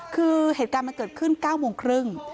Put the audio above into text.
คือเหตุการณ์มันเกิดขึ้น๙โมงครึ่ง